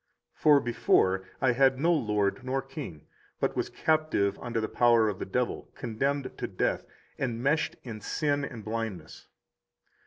For before I had no Lord nor King, but was captive under the power of the devil, condemned to death, enmeshed in sin and blindness.